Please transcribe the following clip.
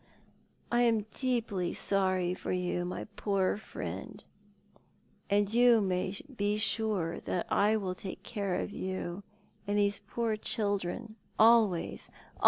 "I am deeply sorry for you, my poor friend, and you may be sure I will take care of you and these poor children always— always."